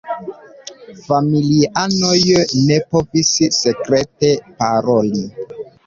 Familianoj ne povis sekrete paroli.